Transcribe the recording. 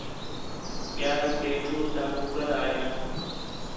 ٻِیال پیٹھو ساں ککرایان